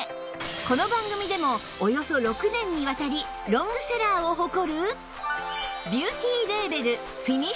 この番組でもおよそ６年にわたりロングセラーを誇る